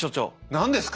何ですか。